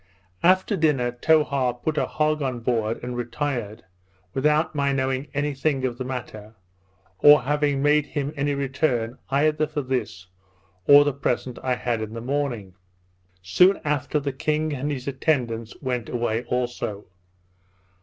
After dinner Towha put a hog on board, and retired, without my knowing any thing of the matter, or having made him any return either for this, or the present I had in the morning. Soon after, the king and his attendants went away also.